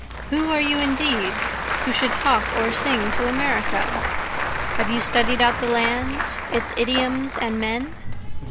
Who are you indeed who would talk or sing to America? Have you studied out the land, its idioms and men?